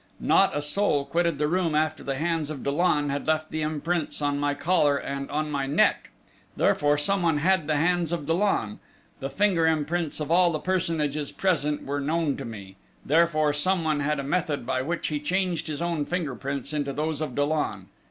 Not a soul quitted the room after the hands of Dollon had left imprints on my collar and on my neck. Therefore someone had the hands of Dollon. The finger imprints of all the personages present were known to me therefore someone had a method by which he changed his own finger prints into those of Dollon....